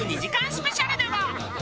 スペシャルでは。